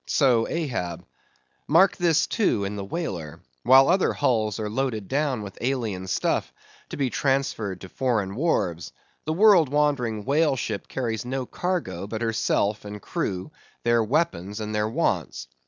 So Ahab. Mark this, too, in the whaler. While other hulls are loaded down with alien stuff, to be transferred to foreign wharves; the world wandering whale ship carries no cargo but herself and crew, their weapons and their wants.